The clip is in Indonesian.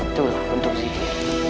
itulah untuk zikir